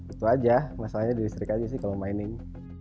itu aja masalahnya di listrik aja sih kalau mining